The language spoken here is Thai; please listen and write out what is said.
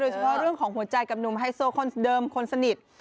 เฉพาะเรื่องของหัวใจกับหนุ่มไฮโซคนเดิมคนสนิท